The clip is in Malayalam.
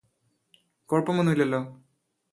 കുഴപ്പമൊന്നും ഇല്ലല്ലോ